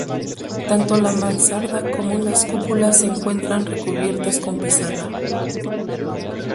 Tanto la mansarda como las cúpulas se encuentran recubiertas con pizarra.